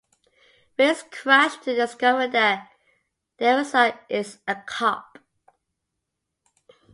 Ray is crushed to discover that Theresa is a cop.